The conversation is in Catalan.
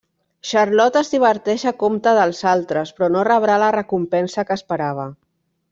Charlot es diverteix a compte dels altres però no rebrà la recompensa que esperava.